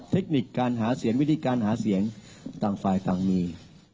เทคนิคการหาเสียงวิธีการหาเสียงต่างฝ่ายต่างมี